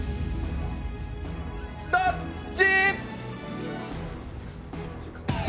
どっち？